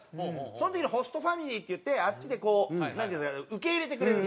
その時にホストファミリーっていってあっちでなんていうんですか受け入れてくれる。